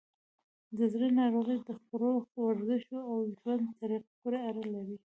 د زړه ناروغۍ د خوړو، ورزش، او ژوند طریقه پورې اړه لري.